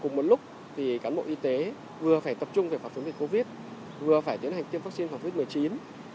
cùng một lúc thì cán bộ y tế vừa phải tập trung về phạt xuống dịch covid vừa phải tiến hành tiêm vaccine covid một mươi chín